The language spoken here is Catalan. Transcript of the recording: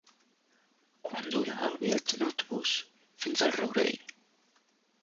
Quant dura el viatge en autobús fins al Rourell?